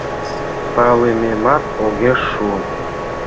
— Палымемат огеш шу.